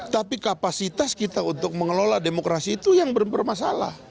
tapi kapasitas kita untuk mengelola demokrasi itu yang bermasalah